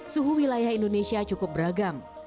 suhu wilayah indonesia cukup beragam